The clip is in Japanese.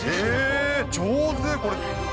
上手、これ。